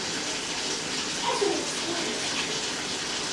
Ad s nekkes nnuba-s i ccwal.